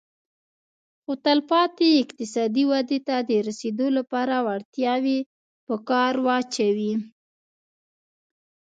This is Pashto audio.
خو تلپاتې اقتصادي ودې ته د رسېدو لپاره وړتیاوې په کار واچوي